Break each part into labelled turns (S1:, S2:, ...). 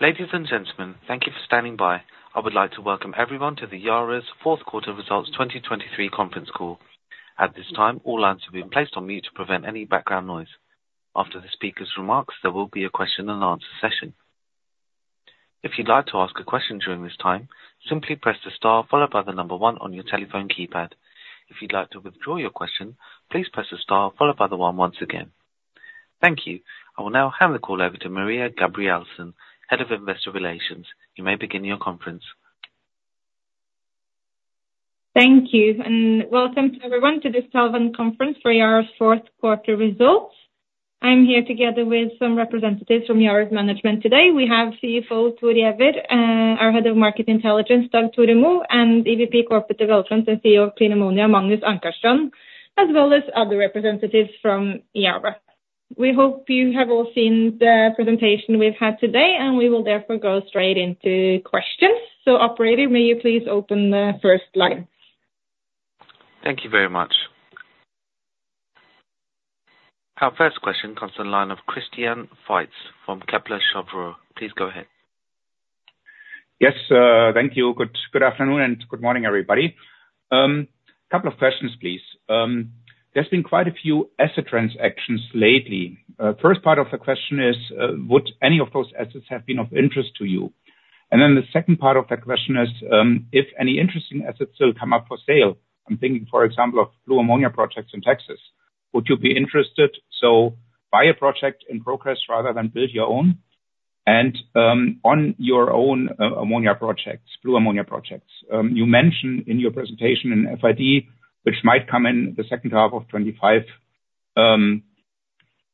S1: Ladies and gentlemen, thank you for standing by. I would like to welcome everyone to Yara's Q4 results 2023 Conference Call. At this time, all lines have been placed on mute to prevent any background noise. After the speaker's remarks, there will be a question-and-answer session. If you'd like to ask a question during this time, simply press the star followed by the number 1 on your telephone keypad. If you'd like to withdraw your question, please press the star followed by the 1 once again. Thank you. I will now hand the call over to Maria Gabrielsen, Head of Investor Relations. You may begin your conference.
S2: Thank you and welcome to everyone to this telephone conference for Yara's Q4 results. I'm here together with some representatives from Yara's management today. We have CFO Thor Giæver, our Head of Market Intelligence, Dag Tore Moe, and EVP Corporate Development and CEO of Clean Ammonia, Magnus Ankarstrand, as well as other representatives from Yara. We hope you have all seen the presentation we've had today, and we will therefore go straight into questions. So operator, may you please open the first line?
S1: Thank you very much. Our first question comes from the line of Christian Faitz from Kepler Cheuvreux. Please go ahead.
S3: Yes, thank you. Good afternoon and good morning, everybody. Couple of questions, please. There's been quite a few asset transactions lately. First part of the question is, would any of those assets have been of interest to you? And then the second part of the question is, if any interesting assets still come up for sale - I'm thinking, for example, of blue ammonia projects in Texas - would you be interested to buy a project in progress rather than build your own? And on your own ammonia projects, blue ammonia projects, you mentioned in your presentation an FID, which might come in the second half of 2025.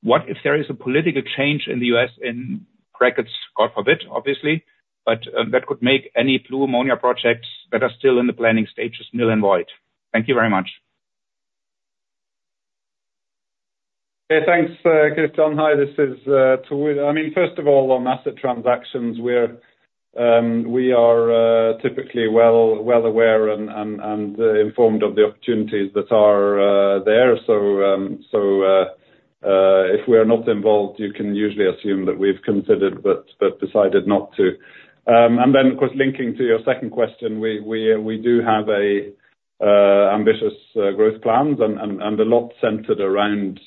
S3: What if there is a political change in the U.S. - in brackets, God forbid, obviously - but that could make any blue ammonia projects that are still in the planning stages nil and void? Thank you very much.
S4: Hey, thanks, Christian. Hi, this is Tore. I mean, first of all, on asset transactions, we are typically well aware and informed of the opportunities that are there. So if we are not involved, you can usually assume that we've considered but decided not to. And then, of course, linking to your second question, we do have ambitious growth plans and a lot centered around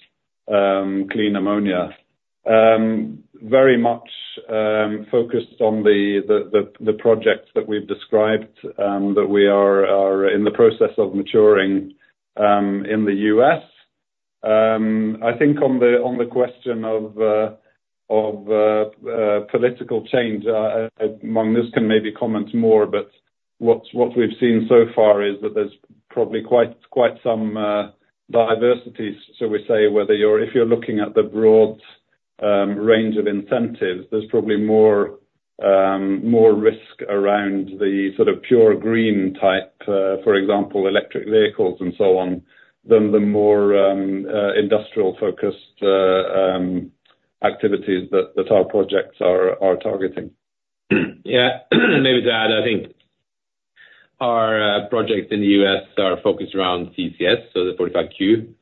S4: clean ammonia, very much focused on the projects that we've described that we are in the process of maturing in the U.S. I think on the question of political change - Magnus can maybe comment more - but what we've seen so far is that there's probably quite some diversities. So we say, if you're looking at the broad range of incentives, there's probably more risk around the sort of pure green type, for example, electric vehicles and so on, than the more industrial-focused activities that our projects are targeting.
S5: Yeah. Maybe to add, I think our projects in the U.S. are focused around CCS, so the 45Q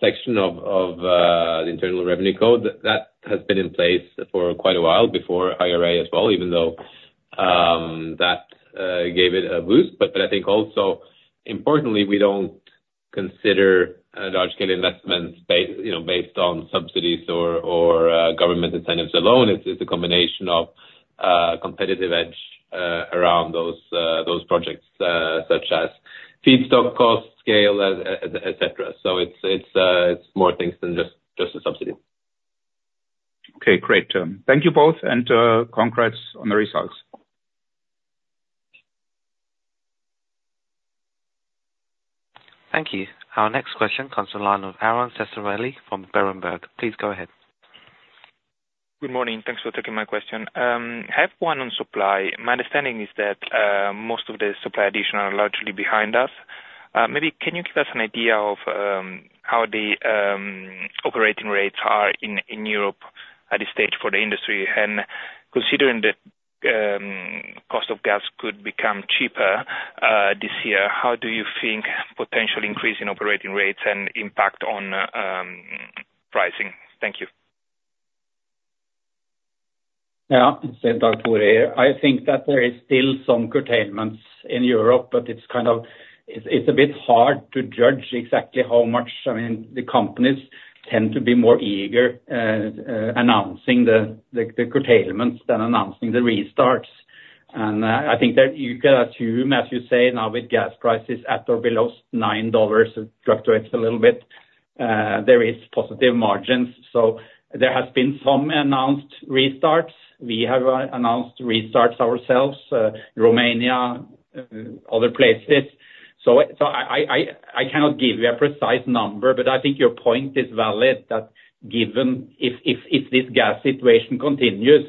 S5: section of the Internal Revenue Code. That has been in place for quite a while before IRA as well, even though that gave it a boost. But I think also, importantly, we don't consider large-scale investments based on subsidies or government incentives alone. It's a combination of competitive edge around those projects, such as feedstock cost, scale, etc. So it's more things than just a subsidy.
S3: Okay, great. Thank you both, and congrats on the results.
S1: Thank you. Our next question comes from the line of Aron Ceccarelli from Berenberg. Please go ahead.
S6: Good morning. Thanks for taking my question. I have one on supply. My understanding is that most of the supply addition are largely behind us. Maybe can you give us an idea of how the operating rates are in Europe at this stage for the industry? And considering that cost of gas could become cheaper this year, how do you think potential increase in operating rates and impact on pricing? Thank you.
S7: Yeah, I'll say Dag Tore here. I think that there is still some curtailments in Europe, but it's a bit hard to judge exactly how much. I mean, the companies tend to be more eager announcing the curtailments than announcing the restarts. And I think that you can assume, as you say now, with gas prices at or below $9, it fluctuates a little bit, there is positive margins. So there have been some announced restarts. We have announced restarts ourselves, Romania, other places. So I cannot give you a precise number, but I think your point is valid, that given if this gas situation continues,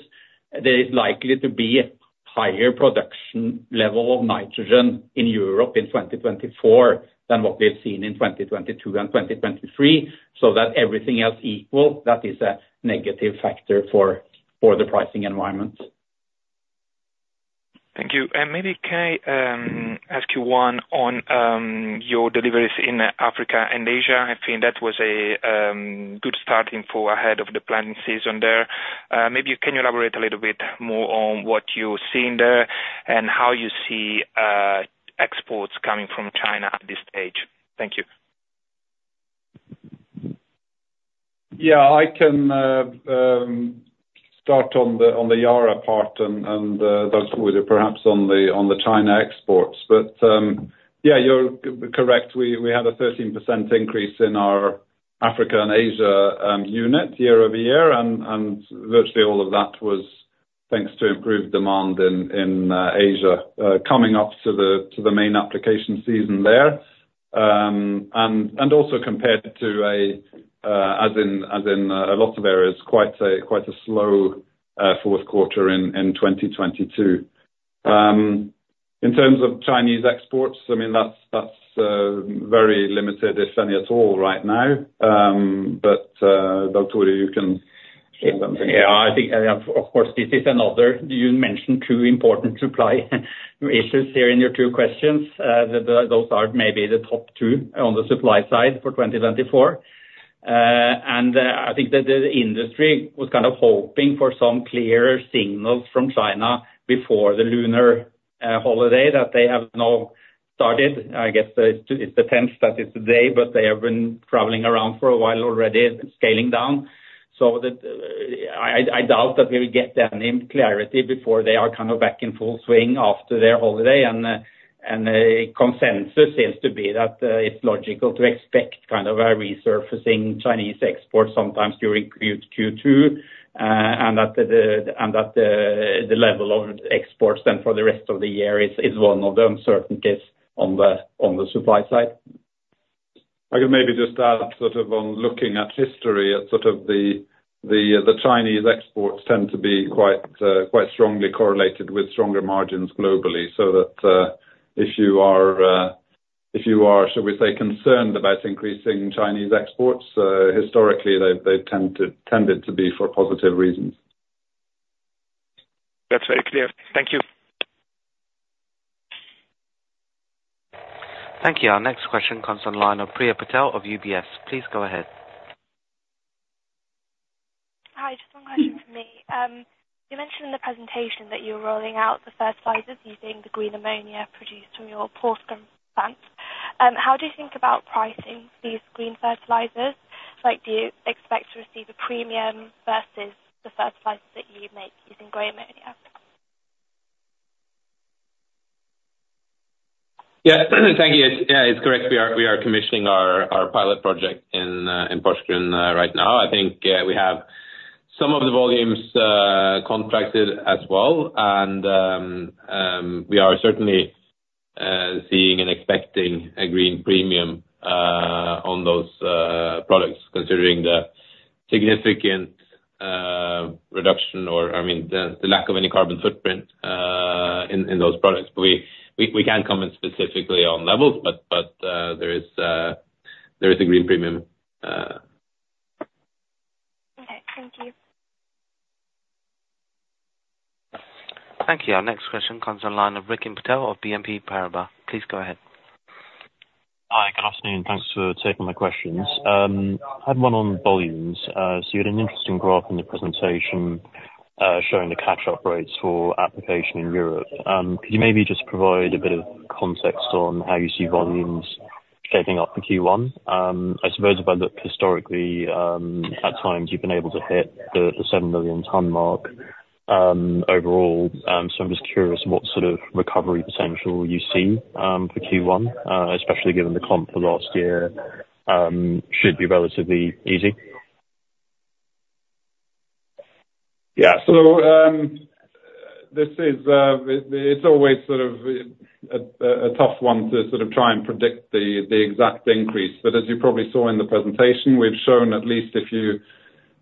S7: there is likely to be a higher production level of nitrogen in Europe in 2024 than what we've seen in 2022 and 2023. So that everything else equal, that is a negative factor for the pricing environment.
S6: Thank you. Maybe can I ask you one on your deliveries in Africa and Asia? I think that was a good starting for ahead of the planting season there. Maybe can you elaborate a little bit more on what you're seeing there and how you see exports coming from China at this stage? Thank you.
S4: Yeah, I can start on the Yara part and Dag Tore perhaps on the Chinese exports. But yeah, you're correct. We had a 13% increase in our Africa and Asia unit year-over-year, and virtually all of that was thanks to improved demand in Asia coming up to the main application season there. And also compared to, as in a lot of areas, quite a slow Q4 in 2022. In terms of Chinese exports, I mean, that's very limited, if any at all, right now. But Dag Tore, you can share something.
S7: Yeah, I think, of course, this is another. You mentioned two important supply issues here in your two questions. Those are maybe the top two on the supply side for 2024. I think that the industry was kind of hoping for some clearer signals from China before the lunar holiday that they have now started. I guess it's the 10th that it's today, but they have been traveling around for a while already, scaling down. So I doubt that we will get any clarity before they are kind of back in full swing after their holiday. Consensus seems to be that it's logical to expect kind of a resurfacing Chinese export sometimes during Q2 and that the level of exports then for the rest of the year is one of the uncertainties on the supply side.
S4: I could maybe just add sort of on looking at history, sort of the Chinese exports tend to be quite strongly correlated with stronger margins globally. So that if you are, shall we say, concerned about increasing Chinese exports, historically, they've tended to be for positive reasons.
S6: That's very clear. Thank you.
S1: Thank you. Our next question comes on the line of Priya Patel of UBS. Please go ahead.
S8: Hi, just one question from me. You mentioned in the presentation that you're rolling out the fertilizers using the green ammonia produced from your Porsgrunn plants. How do you think about pricing these green fertilizers? Do you expect to receive a premium versus the fertilizers that you make using grey ammonia?
S5: Yeah, thank you. Yeah, it's correct. We are commissioning our pilot project in Porsgrunn right now. I think we have some of the volumes contracted as well, and we are certainly seeing and expecting a green premium on those products, considering the significant reduction or, I mean, the lack of any carbon footprint in those products. But we can't comment specifically on levels, but there is a green premium.
S8: Okay, thank you.
S1: Thank you. Our next question comes on the line of Rikin Patel of BNP Paribas. Please go ahead.
S9: Hi, good afternoon. Thanks for taking my questions. I had one on volumes. So you had an interesting graph in the presentation showing the catch-up rates for application in Europe. Could you maybe just provide a bit of context on how you see volumes shaping up for Q1? I suppose if I look historically, at times, you've been able to hit the 7 million-ton mark overall. So I'm just curious what sort of recovery potential you see for Q1, especially given the comp for last year should be relatively easy.
S4: Yeah, so it's always sort of a tough one to sort of try and predict the exact increase. But as you probably saw in the presentation, we've shown at least if you,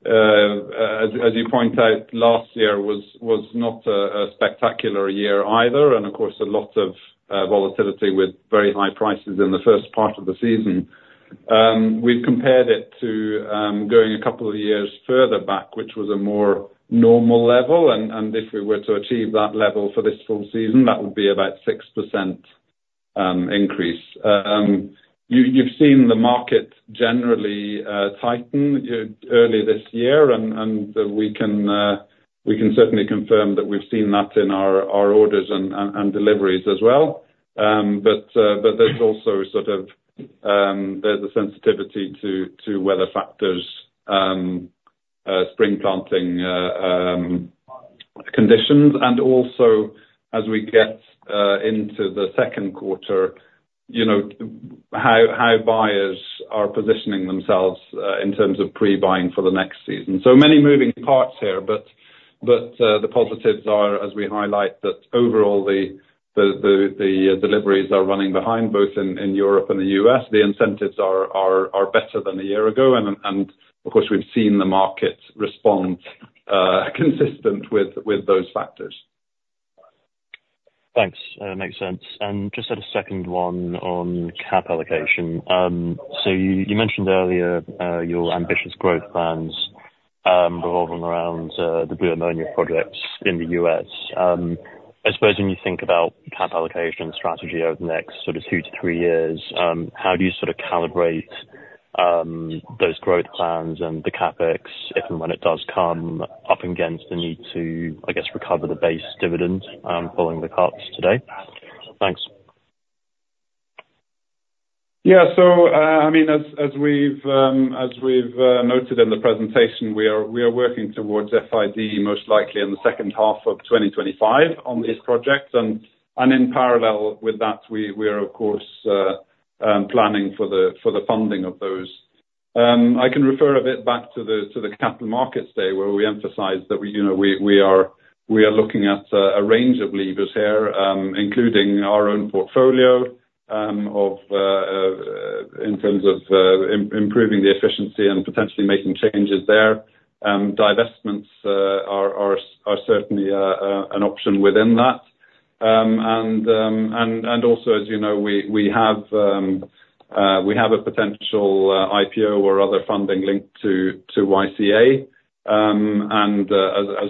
S4: as you point out, last year was not a spectacular year either. And of course, a lot of volatility with very high prices in the first part of the season. We've compared it to going a couple of years further back, which was a more normal level. And if we were to achieve that level for this full season, that would be about 6% increase. You've seen the market generally tighten earlier this year, and we can certainly confirm that we've seen that in our orders and deliveries as well. But there's also sort of there's a sensitivity to weather factors, spring planting conditions. Also, as we get into the Q2, how buyers are positioning themselves in terms of pre-buying for the next season. So many moving parts here, but the positives are, as we highlight, that overall, the deliveries are running behind both in Europe and the U.S. The incentives are better than a year ago. Of course, we've seen the market respond consistent with those factors.
S9: Thanks. Makes sense. Just had a second one on cap allocation. You mentioned earlier your ambitious growth plans revolving around the blue ammonia projects in the U.S. I suppose when you think about cap allocation strategy over the next sort of 2-3 years, how do you sort of calibrate those growth plans and the CapEx, if and when it does come, up against the need to, I guess, recover the base dividend following the cuts today? Thanks.
S4: Yeah, so I mean, as we've noted in the presentation, we are working towards FID most likely in the second half of 2025 on these projects. And in parallel with that, we are, of course, planning for the funding of those. I can refer a bit back to the capital markets day where we emphasized that we are looking at a range of levers here, including our own portfolio in terms of improving the efficiency and potentially making changes there. Divestments are certainly an option within that. And also, as you know, we have a potential IPO or other funding linked to YCA, as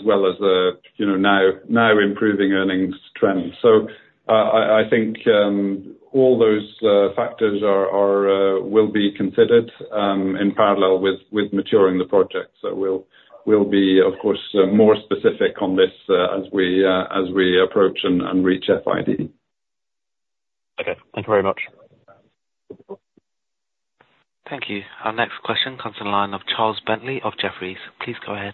S4: well as the now improving earnings trend. So I think all those factors will be considered in parallel with maturing the project. So we'll be, of course, more specific on this as we approach and reach FID.
S9: Okay. Thank you very much.
S1: Thank you. Our next question comes on the line of Charles Bentley of Jefferies. Please go ahead.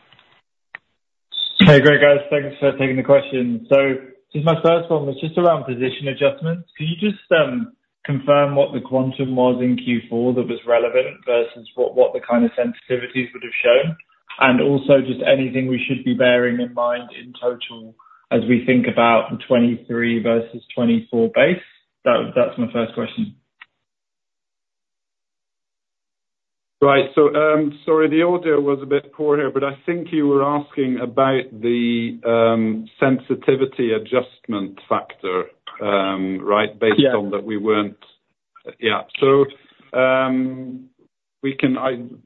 S10: Hey, great, guys. Thanks for taking the question. So just my first one was just around position adjustments. Can you just confirm what the quantum was in Q4 that was relevant versus what the kind of sensitivities would have shown? And also just anything we should be bearing in mind in total as we think about the 2023 versus 2024 base? That's my first question.
S4: Right. So sorry, the audio was a bit poor here, but I think you were asking about the sensitivity adjustment factor, right, based on that we weren't, so we can,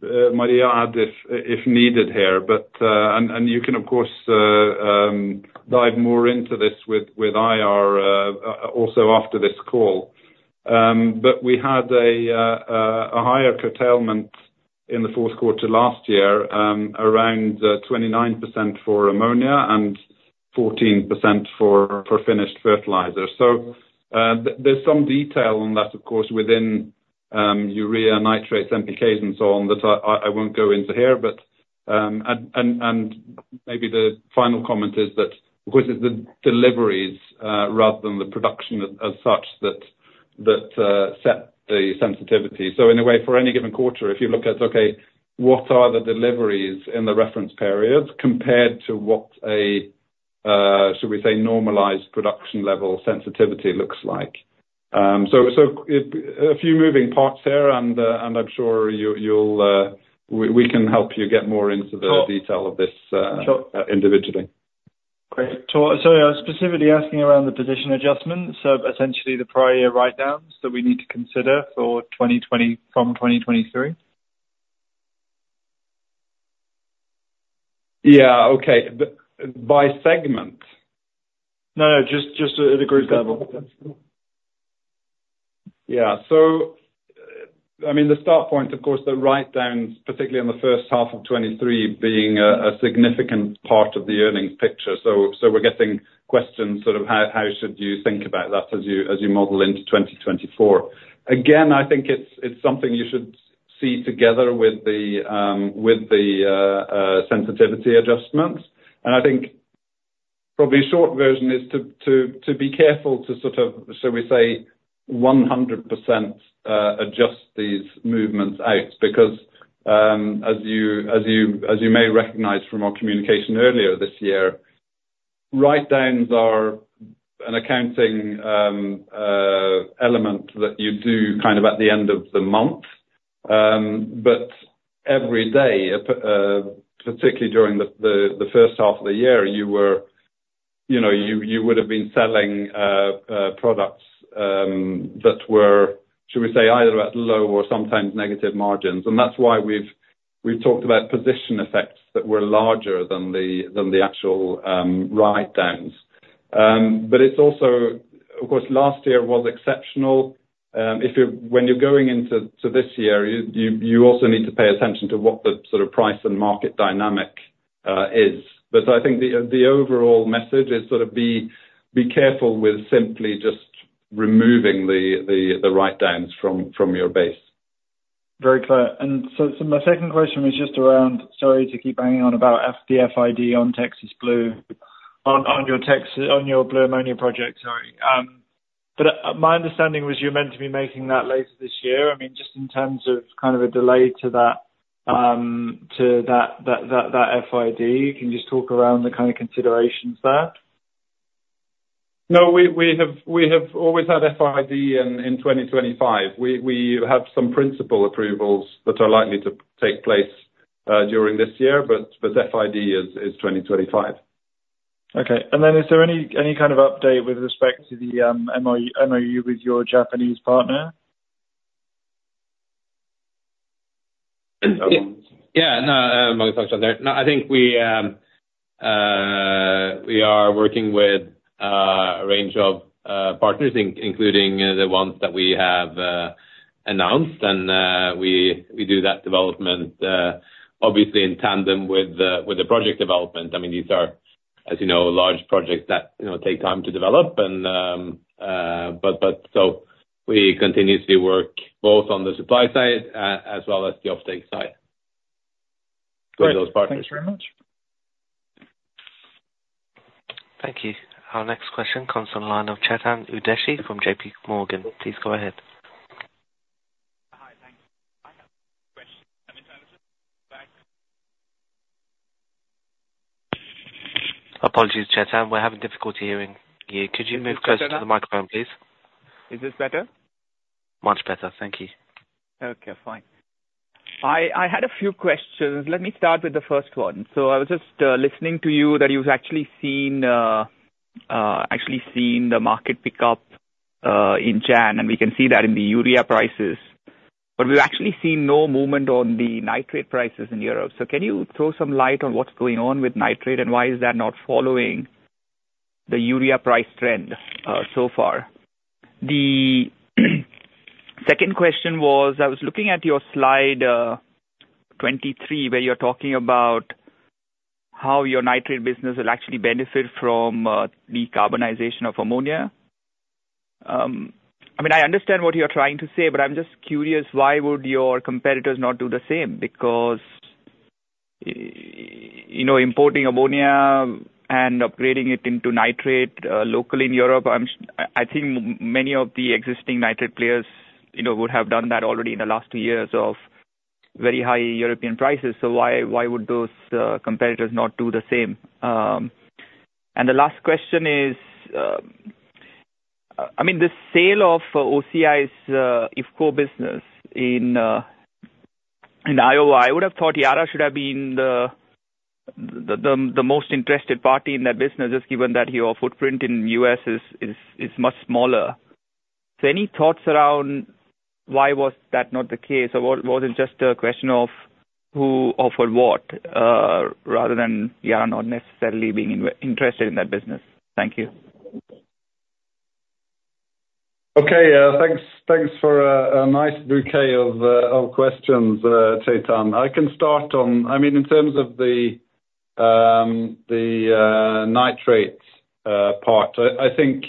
S4: Maria, add if needed here. And you can, of course, dive more into this with IR also after this call. But we had a higher curtailment in the Q4 last year around 29% for ammonia and 14% for finished fertilizers. So there's some detail on that, of course, within urea, nitrates, NPKs, and so on that I won't go into here. And maybe the final comment is that, of course, it's the deliveries rather than the production as such that set the sensitivity. So, in a way, for any given quarter, if you look at, "Okay, what are the deliveries in the reference periods compared to what a, shall we say, normalized production-level sensitivity looks like?" So, a few moving parts here, and I'm sure we can help you get more into the detail of this individually.
S10: Great. I was specifically asking around the position adjustments, so essentially the prior year write-downs that we need to consider from 2023.
S4: Yeah, okay. By segment?
S10: No, no, just at a group level.
S4: Yeah, so I mean, the start point, of course, the write-downs, particularly in the first half of 2023, being a significant part of the earnings picture. So we're getting questions sort of, "How should you think about that as you model into 2024?" Again, I think it's something you should see together with the sensitivity adjustments. And I think probably a short version is to be careful to sort of, shall we say, 100% adjust these movements out. Because as you may recognize from our communication earlier this year, write-downs are an accounting element that you do kind of at the end of the month. But every day, particularly during the first half of the year, you would have been selling products that were, shall we say, either at low or sometimes negative margins. And that's why we've talked about position effects that were larger than the actual write-downs. But it's also, of course, last year was exceptional. When you're going into this year, you also need to pay attention to what the sort of price and market dynamic is. But I think the overall message is sort of be careful with simply just removing the write-downs from your base.
S10: Very clear. So my second question was just around, sorry to keep hanging on, about the FID on Texas Blue on your blue ammonia project, sorry. But my understanding was you're meant to be making that later this year. I mean, just in terms of kind of a delay to that FID, can you just talk around the kind of considerations there?
S4: No, we have always had FID in 2025. We have some principal approvals that are likely to take place during this year, but FID is 2025.
S10: Okay. Is there any kind of update with respect to the MOU with your Japanese partner?
S5: Yeah, no, I'm going to talk about that. No, I think we are working with a range of partners, including the ones that we have announced. We do that development, obviously, in tandem with the project development. I mean, these are, as you know, large projects that take time to develop. But so we continuously work both on the supply side as well as the uptake side with those partners.
S10: Great. Thanks very much.
S1: Thank you. Our next question comes on the line of Chetan Udeshi from JP Morgan. Please go ahead.
S11: Hi, thanks. I have a question. I'm intelligent. Go ahead.
S1: Apologies, Chetan. We're having difficulty hearing you. Could you move closer to the microphone, please?
S11: Is this better?
S1: Much better. Thank you.
S11: Okay, fine. I had a few questions. Let me start with the first one. I was just listening to you that you've actually seen the market pick up in January, and we can see that in the urea prices. But we've actually seen no movement on the nitrate prices in Europe. Can you throw some light on what's going on with nitrate and why is that not following the urea price trend so far? The second question was, I was looking at your slide 23 where you're talking about how your nitrate business will actually benefit from decarbonization of ammonia. I mean, I understand what you're trying to say, but I'm just curious, why would your competitors not do the same? Because importing ammonia and upgrading it into nitrate locally in Europe, I think many of the existing nitrate players would have done that already in the last two years of very high European prices. So why would those competitors not do the same? And the last question is, I mean, the sale of OCI's IFCO business in Iowa, I would have thought Yara should have been the most interested party in that business, just given that your footprint in the U.S. is much smaller. So any thoughts around why was that not the case? Or was it just a question of who offered what rather than Yara not necessarily being interested in that business? Thank you.
S4: Okay, thanks for a nice bouquet of questions, Chetan. I can start on, I mean, in terms of the nitrate part, I think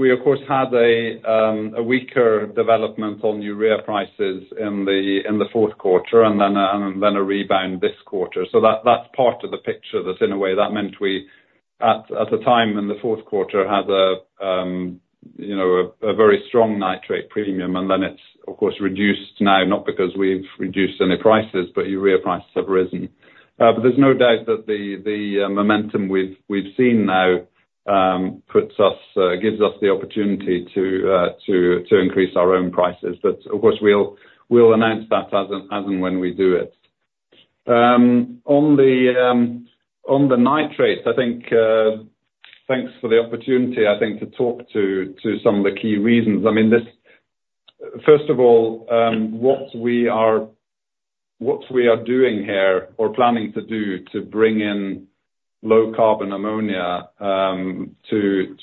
S4: we, of course, had a weaker development on urea prices in the Q4 and then a rebound this quarter. So that's part of the picture that, in a way, that meant we, at the time in the Q4, had a very strong nitrate premium. And then it's, of course, reduced now, not because we've reduced any prices, but urea prices have risen. But there's no doubt that the momentum we've seen now gives us the opportunity to increase our own prices. But of course, we'll announce that as and when we do it. On the nitrates, I think thanks for the opportunity, I think, to talk to some of the key reasons. I mean, first of all, what we are doing here or planning to do to bring in low-carbon ammonia to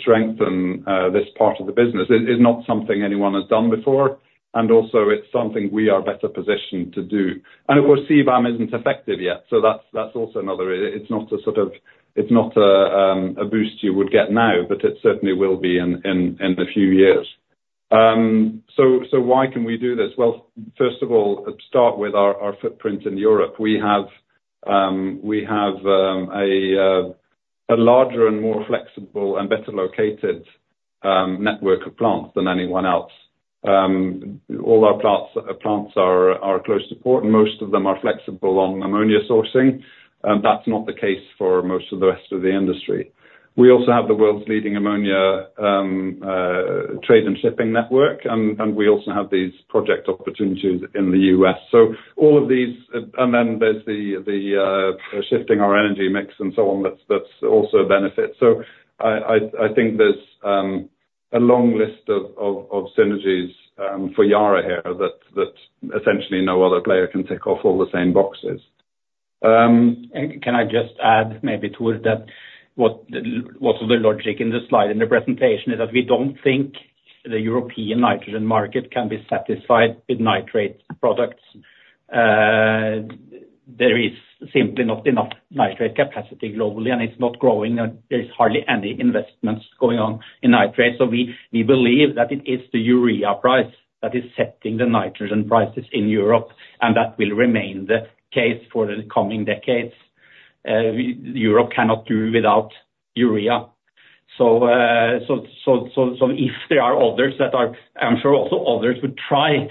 S4: strengthen this part of the business is not something anyone has done before. And also, it's something we are better positioned to do. And of course, CBAM isn't effective yet. So that's also another. It's not a sort of boost you would get now, but it certainly will be in a few years. So why can we do this? Well, first of all, start with our footprint in Europe. We have a larger and more flexible and better-located network of plants than anyone else. All our plants are close to port, and most of them are flexible on ammonia sourcing. That's not the case for most of the rest of the industry. We also have the world's leading ammonia trade and shipping network, and we also have these project opportunities in the U.S. So all of these and then there's the shifting our energy mix and so on that's also a benefit. So I think there's a long list of synergies for Yara here that essentially no other player can tick off all the same boxes.
S12: Can I just add maybe towards that? What's the logic in the slide in the presentation is that we don't think the European nitrogen market can be satisfied with nitrate products. There is simply not enough nitrate capacity globally, and it's not growing. There's hardly any investments going on in nitrate. So we believe that it is the urea price that is setting the nitrogen prices in Europe, and that will remain the case for the coming decades. Europe cannot do without urea. So if there are others that are I'm sure also others would try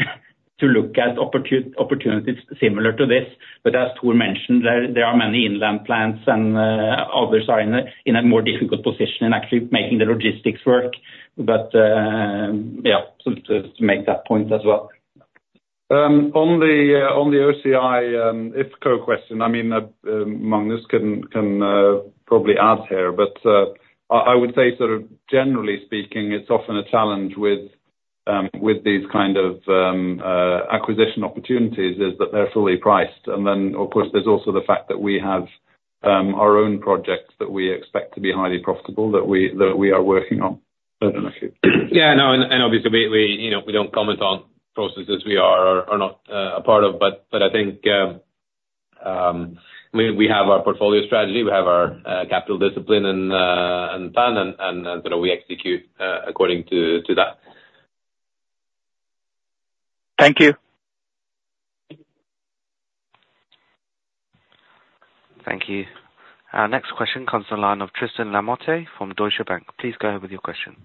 S12: to look at opportunities similar to this. But as Thor mentioned, there are many inland plants, and others are in a more difficult position in actually making the logistics work. But yeah, to make that point as well.
S4: On the OCI IFCO question, I mean, Magnus can probably add here. But I would say sort of generally speaking, it's often a challenge with these kind of acquisition opportunities is that they're fully priced. And then, of course, there's also the fact that we have our own projects that we expect to be highly profitable that we are working on. I don't know if you.
S5: Yeah, no, and obviously, we don't comment on processes we are or not a part of. But I think we have our portfolio strategy. We have our capital discipline and plan, and sort of we execute according to that.
S11: Thank you.
S1: Thank you. Our next question comes on the line of Tristan Lamotte from Deutsche Bank. Please go ahead with your question.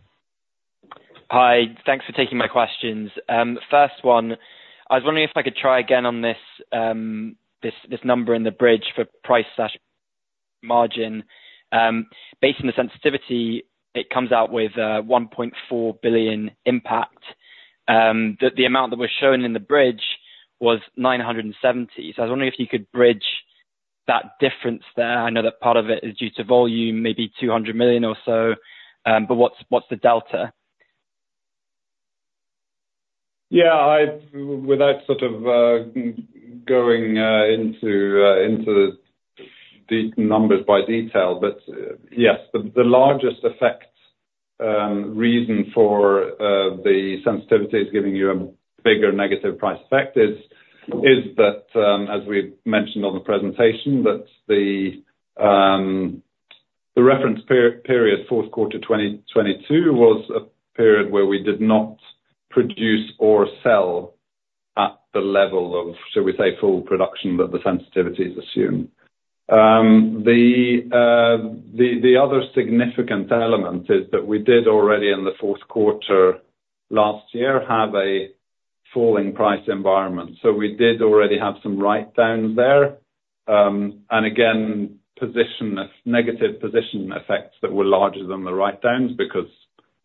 S13: Hi. Thanks for taking my questions. First one, I was wondering if I could try again on this number in the bridge for price/margin. Based on the sensitivity, it comes out with $1.4 billion impact. The amount that was shown in the bridge was $970 million. So I was wondering if you could bridge that difference there. I know that part of it is due to volume, maybe $200 million or so. But what's the delta?
S4: Yeah, without sort of going into the numbers in detail, but yes, the largest effect reason for the sensitivity is giving you a bigger negative price effect is that, as we mentioned in the presentation, that the reference period,Q4 2022, was a period where we did not produce or sell at the level of, shall we say, full production that the sensitivities assume. The other significant element is that we did already in the Q4 last year have a falling price environment. So we did already have some write-downs there. And again, negative position effects that were larger than the write-downs because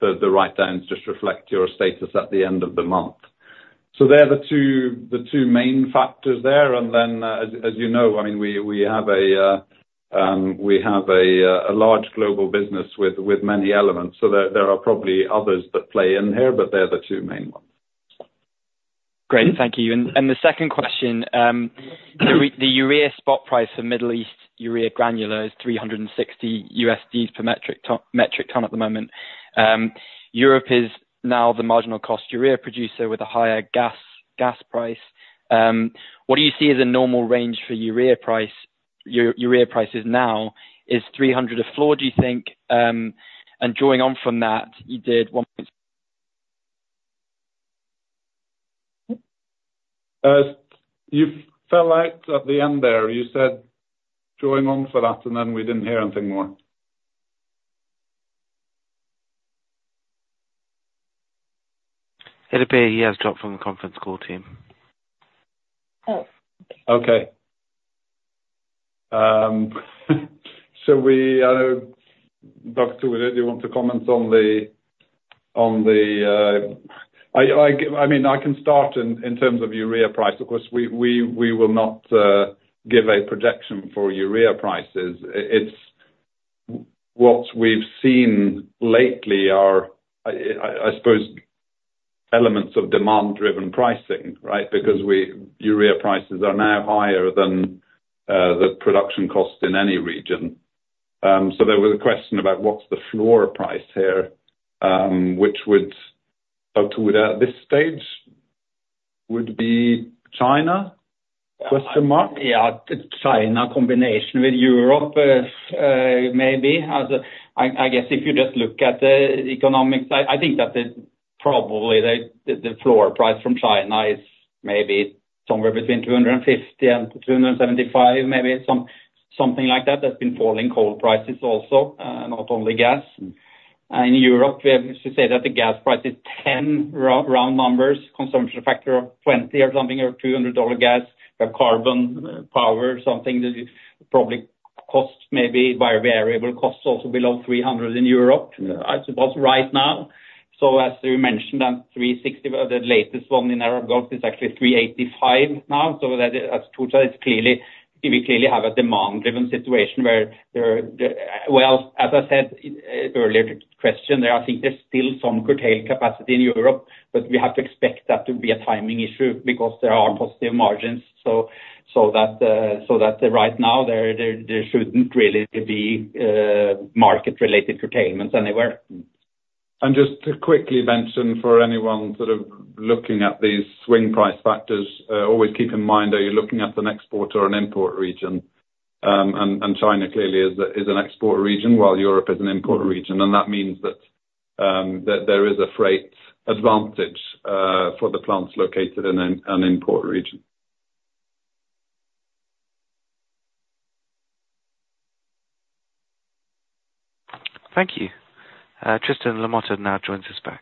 S4: the write-downs just reflect your status at the end of the month. So they're the two main factors there. And then, as you know, I mean, we have a large global business with many elements. There are probably others that play in here, but they're the two main ones.
S13: Great. Thank you. And the second question, the urea spot price for Middle East urea granular is $360 per metric ton at the moment. Europe is now the marginal cost urea producer with a higher gas price. What do you see as a normal range for urea prices now is $300 a floor, do you think? And drawing on from that, you did 1.6.
S4: You fell out at the end there. You said drawing on for that, and then we didn't hear anything more.
S1: Hey, Svein. He has dropped from the conference call team.
S4: Oh, okay. So, I know. Dr. Thor Giæver, do you want to comment on the—I mean, I can start in terms of urea price. Of course, we will not give a projection for urea prices. What we've seen lately are, I suppose, elements of demand-driven pricing, right? Because urea prices are now higher than the production cost in any region. So there was a question about what's the floor price here, which would—Dr. Thor Giæver, at this stage, would be China?
S12: Yeah, China combination with Europe maybe. I guess if you just look at the economics, I think that probably the floor price from China is maybe somewhere between $250-$275, maybe something like that. There's been falling coal prices also, not only gas. And in Europe, we have to say that the gas price is 10 round numbers, consumption factor of 20 or something, or $200 gas. We have carbon power, something that probably costs maybe by variable costs also below $300 in Europe, I suppose, right now. So as you mentioned, that $360, the latest one in Arab Gulf is actually $385 now. So, that's clearly. We clearly have a demand-driven situation where, well, as I said earlier, the question there, I think there's still some curtailed capacity in Europe, but we have to expect that to be a timing issue because there are positive margins, so that right now, there shouldn't really be market-related curtailments anywhere.
S4: Just to quickly mention for anyone sort of looking at these swing price factors, always keep in mind, are you looking at an export or an import region? China clearly is an export region while Europe is an import region. That means that there is a freight advantage for the plants located in an import region.
S1: Thank you. Tristan Lamotte now joins us back.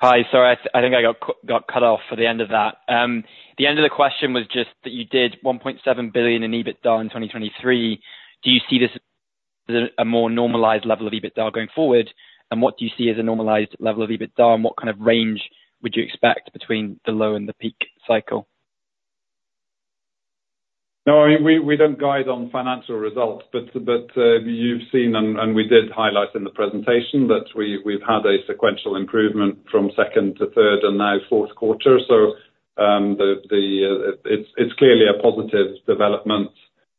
S13: Hi. Sorry, I think I got cut off for the end of that. The end of the question was just that you did $1.7 billion in EBITDA in 2023. Do you see this as a more normalized level of EBITDA going forward? And what do you see as a normalized level of EBITDA? And what kind of range would you expect between the low and the peak cycle?
S4: No, I mean, we don't guide on financial results, but you've seen and we did highlight in the presentation that we've had a sequential improvement from second to third and now Q4. So it's clearly a positive development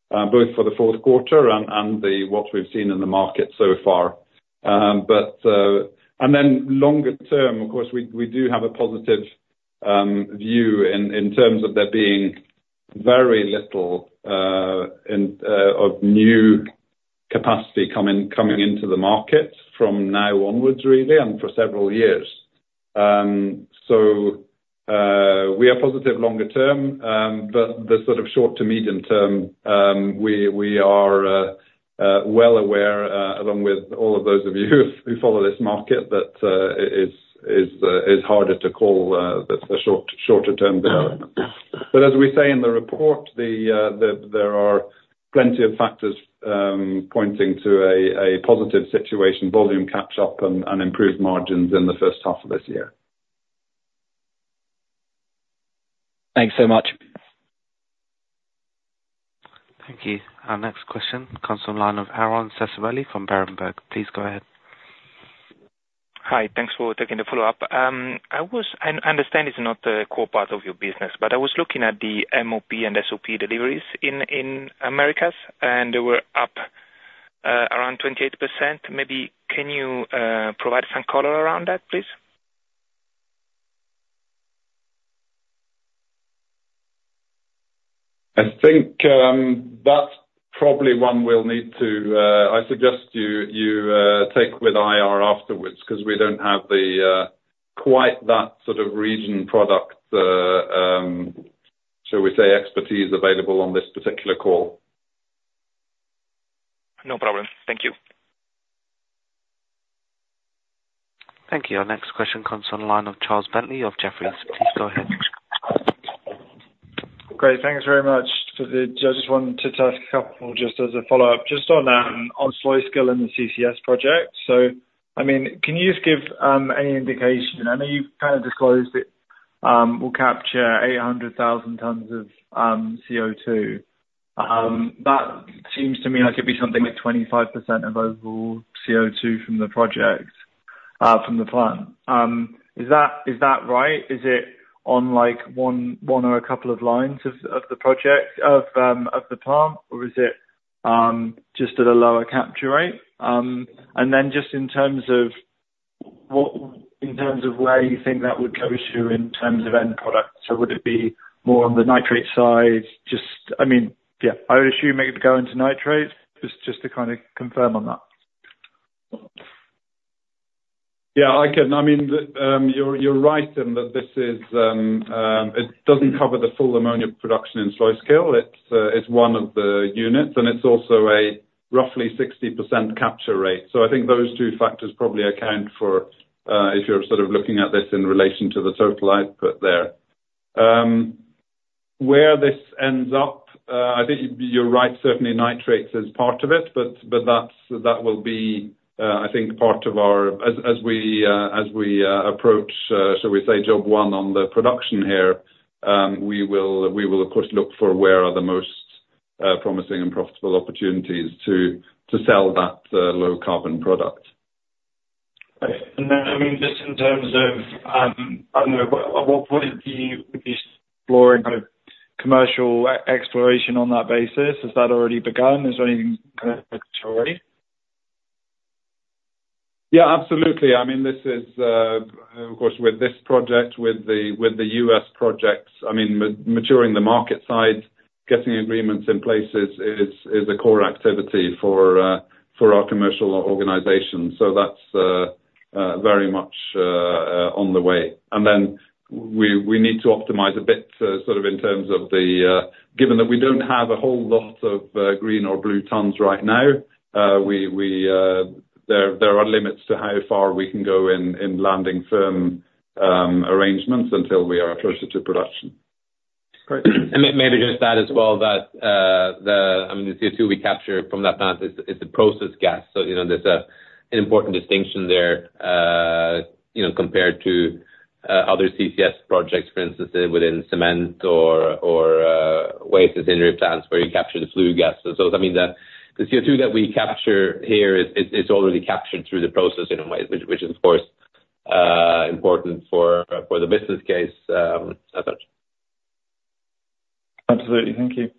S4: both for the Q4 and what we've seen in the market so far. And then longer term, of course, we do have a positive view in terms of there being very little of new capacity coming into the market from now onwards, really, and for several years. So we are positive longer term, but the sort of short to medium term, we are well aware, along with all of those of you who follow this market, that it's harder to call a shorter-term development. As we say in the report, there are plenty of factors pointing to a positive situation, volume catch-up, and improved margins in the first half of this year.
S13: Thanks so much.
S1: Thank you. Our next question comes on the line of Aron Ceccarelli from Berenberg. Please go ahead.
S6: Hi. Thanks for taking the follow-up. I understand it's not the core part of your business, but I was looking at the MOP and SOP deliveries in Americas, and they were up around 28%. Maybe can you provide some color around that, please?
S4: I think that's probably one we'll need to, I suggest, you take with IR afterwards because we don't have quite that sort of region product, shall we say, expertise available on this particular call.
S6: No problem. Thank you.
S1: Thank you. Our next question comes on the line of Charles Bentley of Jefferies. Please go ahead.
S10: Great. Thanks very much. I just wanted to ask a couple just as a follow-up, just on Sluisk g in the CCS project. So I mean, can you just give any indication? I know you've kind of disclosed it will capture 800,000 tons of CO2. That seems to me like it'd be something like 25% of overall CO2 from the project, from the plant. Is that right? Is it on one or a couple of lines of the project, of the plant, or is it just at a lower capture rate? And then just in terms of where you think that would go to in terms of end product, so would it be more on the nitrate side? I mean, yeah, I would assume it would go into nitrates. It was just to kind of confirm on that.
S4: Yeah, I can. I mean, you're right in that this is, it doesn't cover the full ammonia production in Sluisk. It's one of the units, and it's also a roughly 60% capture rate. So I think those two factors probably account for if you're sort of looking at this in relation to the total output there. Where this ends up, I think you're right, certainly nitrates is part of it, but that will be, I think, part of our as we approach, shall we say, job one on the production here, we will, of course, look for where are the most promising and profitable opportunities to sell that low-carbon product.
S10: Then, I mean, just in terms of I don't know. At what point would you explore and kind of commercial exploration on that basis? Has that already begun? Is there anything kind of mature already?
S4: Yeah, absolutely. I mean, this is of course, with this project, with the U.S. projects, I mean, maturing the market side, getting agreements in place is a core activity for our commercial organization. So that's very much on the way. And then we need to optimize a bit sort of in terms of the given that we don't have a whole lot of green or blue tons right now, there are limits to how far we can go in landing firm arrangements until we are closer to production.
S5: Great. And maybe just that as well, that I mean, the CO2 we capture from that plant, it's a processed gas. So there's an important distinction there compared to other CCS projects, for instance, within cement or waste engineering plants where you capture the flue gas. So I mean, the CO2 that we capture here is already captured through the process in a way, which is, of course, important for the business case, I thought.
S10: Absolutely. Thank you.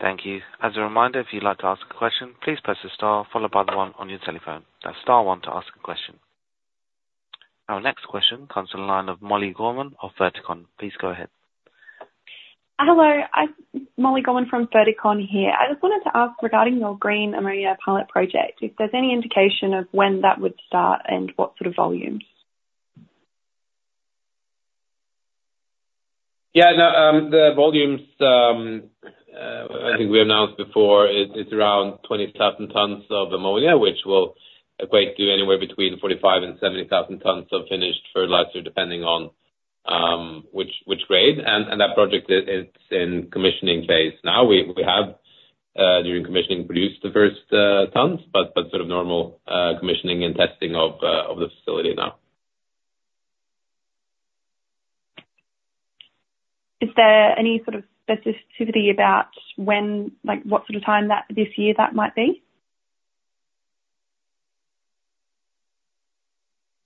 S1: Thank you. As a reminder, if you'd like to ask a question, please press the star, followed by the one on your telephone. That's star one to ask a question. Our next question comes on the line of Molly Gorman of Verticon. Please go ahead.
S14: Hello. Molly Gorman from Verition here. I just wanted to ask regarding your green ammonia pilot project, if there's any indication of when that would start and what sort of volumes? Yeah. No, the volumes I think we announced before, it's around 20,000 tons of ammonia, which will equate to anywhere between 45,000-70,000 tons of finished fertilizer, depending on which grade. And that project, it's in commissioning phase now. We have, during commissioning, produced the first tons, but sort of normal commissioning and testing of the facility now. Is there any sort of specificity about what sort of time this year that might be?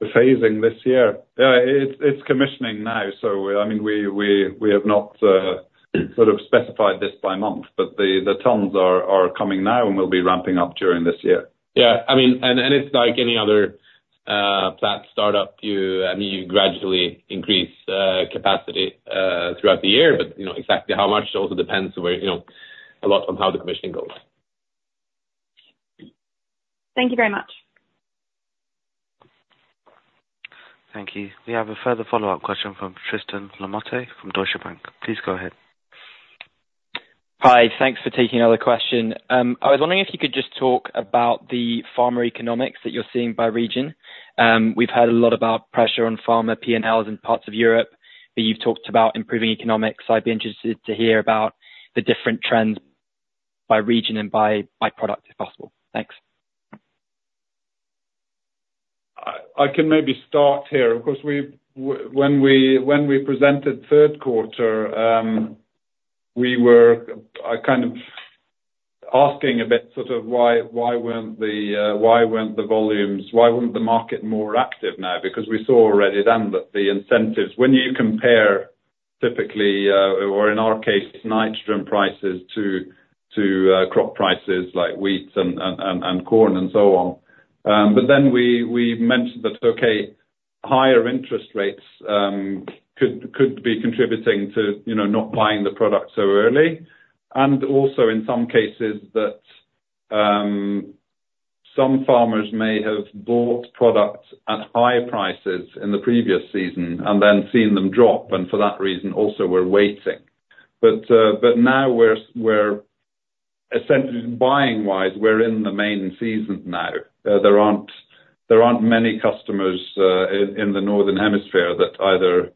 S4: The phasing this year? Yeah, it's commissioning now. So I mean, we have not sort of specified this by month, but the tons are coming now, and we'll be ramping up during this year.
S5: Yeah. I mean, and it's like any other plant startup. I mean, you gradually increase capacity throughout the year, but exactly how much also depends a lot on how the commissioning goes.
S14: Thank you very much.
S1: Thank you. We have a further follow-up question from Tristan Lamotte from Deutsche Bank. Please go ahead.
S13: Hi. Thanks for taking another question. I was wondering if you could just talk about the farmer economics that you're seeing by region. We've heard a lot about pressure on farmer P&Ls in parts of Europe, but you've talked about improving economics. I'd be interested to hear about the different trends by region and by product, if possible. Thanks.
S4: I can maybe start here. Of course, when we presented Q3, we were kind of asking a bit sort of why weren't the volumes why weren't the market more active now? Because we saw already then that the incentives when you compare, typically, or in our case, nitrogen prices to crop prices like wheat and corn and so on. But then we mentioned that, okay, higher interest rates could be contributing to not buying the product so early. And also, in some cases, that some farmers may have bought product at higher prices in the previous season and then seen them drop, and for that reason, also, we're waiting. But now, essentially, buying-wise, we're in the main season now. There aren't many customers in the northern hemisphere that either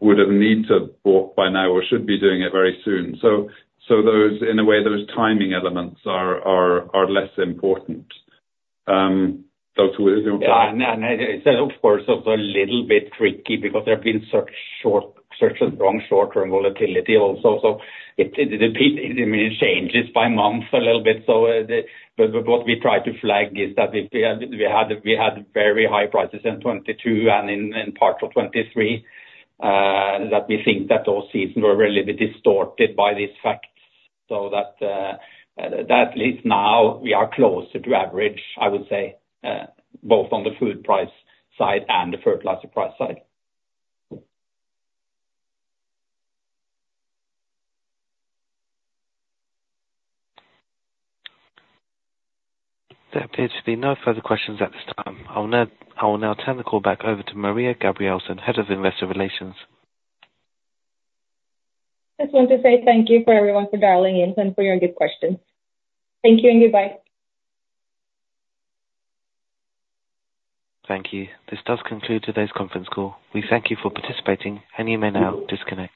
S4: would have need to have bought by now or should be doing it very soon. So in a way, those timing elements are less important. Dag Thor, do you want to talk?
S12: Yeah. Of course, it's a little bit tricky because there have been such a strong short-term volatility also. So it changes by month a little bit. But what we try to flag is that we had very high prices in 2022 and in part of 2023, that we think that those seasons were really a bit distorted by these facts. So that at least now, we are closer to average, I would say, both on the food price side and the fertilizer price side.
S1: That appears to be no further questions at this time. I will now turn the call back over to Maria Gabrielsen, Head of Investor Relations.
S2: Just want to say thank you for everyone for dialing in and for your good questions. Thank you and goodbye.
S1: Thank you. This does conclude today's conference call. We thank you for participating, and you may now disconnect.